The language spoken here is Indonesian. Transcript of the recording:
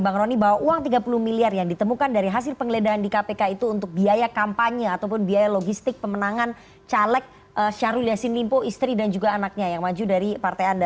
bang rony bahwa uang tiga puluh miliar yang ditemukan dari hasil penggeledahan di kpk itu untuk biaya kampanye ataupun biaya logistik pemenangan caleg syahrul yassin limpo istri dan juga anaknya yang maju dari partai anda